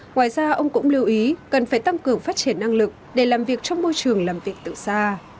ngoài ra ông cũng lưu ý cần phải tăng cường phát triển năng lực để làm việc trong môi trường làm việc từ xa